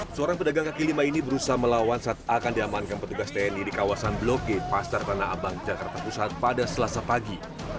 seorang pedagang kaki lima ini berusaha melawan saat akan diamankan petugas tni di kawasan blok g pasar tanah abang jakarta pusat pada selasa pagi